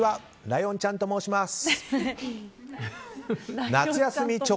ライオンちゃんと申します。